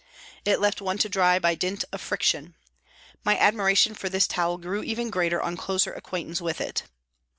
It left one to dry by dint of friction ; my admiration for this towel grew even greater on closer acquaintance with it.